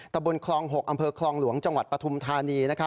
บนคลอง๖อำเภอคลองหลวงจังหวัดปฐุมธานี